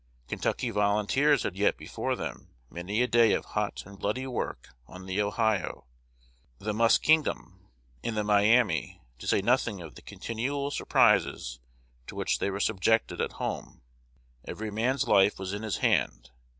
Kentucky volunteers had yet before them many a day of hot and bloody work on the Ohio, the Muskingum, and the Miami, to say nothing of the continual surprises to which they were subjected at home. Every man's life was in his hand.